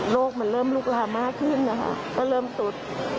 มันเริ่มลุกลามมากขึ้นนะคะก็เริ่มสุด